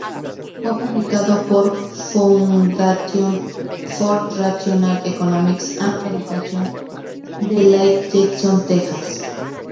Fue publicado por Foundation for Rational Economics and Education de Lake Jackson, Texas.